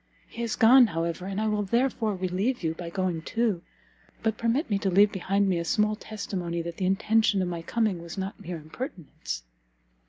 He is gone, however, and I will therefore relieve you by going too: but permit me to leave behind me a small testimony that the intention of my coming was not mere impertinence."